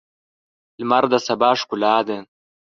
لمر د سبا ښکلا ده.